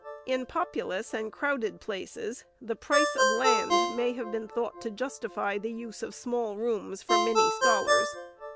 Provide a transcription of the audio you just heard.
In populous and crowded places, the price of land may have been thought to justify the use of small rooms for many scholars.